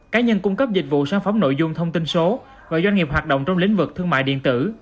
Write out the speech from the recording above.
cá nhân cung cấp dịch vụ sản phẩm nội dung thông tin số và doanh nghiệp hoạt động trong lĩnh vực thương mại điện tử